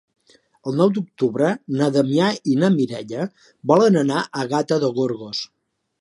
El nou d'octubre na Damià i na Mireia volen anar a Gata de Gorgos.